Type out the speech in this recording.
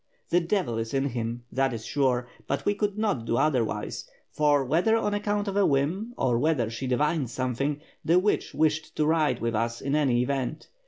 The devil is in him, that is sure; but he could not do otherwise, for whether on account of a whim, or whether she divined something, the witeh wished to ride with us in any event.